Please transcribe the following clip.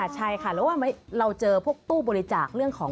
ใช่ค่ะแล้วว่าเราเจอพวกตู้บริจาคเรื่องของ